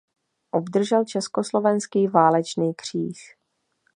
Obdržel Československý válečný kříž.